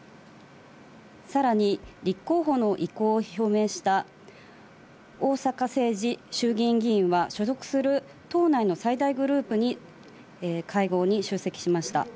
さらに立候補の意向を表明した逢坂誠二衆議院議員は所属する党内最大グループの会合に出席しました。